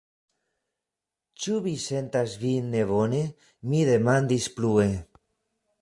Ĉu vi sentas vin nebone? mi demandis plue.